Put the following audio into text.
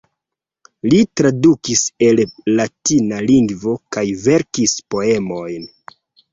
Li tradukis el latina lingvo kaj verkis poemojn.